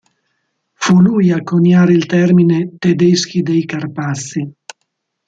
Fu lui a coniare il termine "tedeschi dei Carpazi".